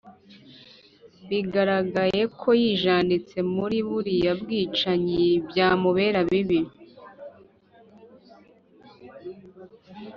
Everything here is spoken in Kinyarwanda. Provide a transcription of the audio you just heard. Bigaragaye ko yijanditse muri buriya bwicanyi byamubera bibi